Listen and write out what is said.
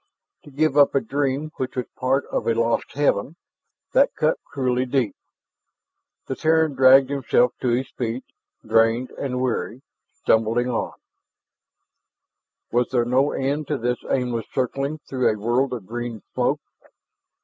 To give up a dream which was part of a lost heaven, that cut cruelly deep. The Terran dragged himself to his feet, drained and weary, stumbling on. Was there no end to this aimless circling through a world of green smoke?